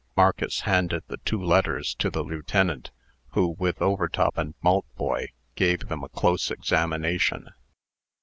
Marcus handed the two letters to the lieutenant, who, with Overtop and Maltboy, gave them a close examination.